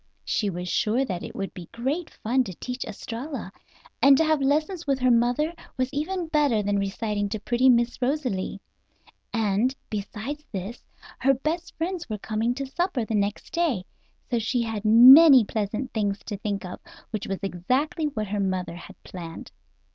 She was sure that it would be great fun to teach Estralla, and to have lessons with her mother was even better than reciting to pretty Miss Rosalie; and, beside this, her best friends were coming to supper the next night, so she had many pleasant things to think of, which was exactly what her mother had planned.